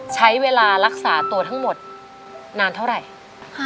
ใช้เวลารักษาตัวทั้งหมดนานเท่าไหร่